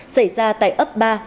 xảy ra tại ấp ba